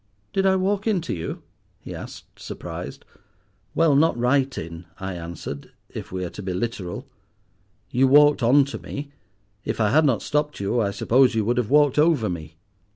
"Did I walk into you?" he asked surprised. "Well, not right in," I answered, "I if we are to be literal. You walked on to me; if I had not stopped you, I suppose you would have walked over me."